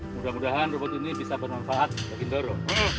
mudah mudahan rumput ini bisa bermanfaat bagi dorong